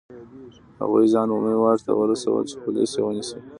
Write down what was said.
هغوی ځان عمومي واټ ته ورسول چې پولیس یې ونیسي.